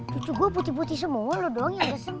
cucu gue putih putih semua lo doang yang deseng